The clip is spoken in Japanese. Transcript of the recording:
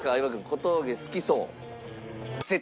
小峠好きそう？